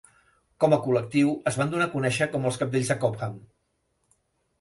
Com a col·lectiu es van donar a conèixer com els Cadells de Cobham.